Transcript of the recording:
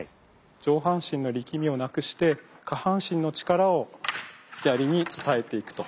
上半身の力みをなくして下半身の力を槍に伝えていくと。